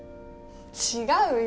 違うよ。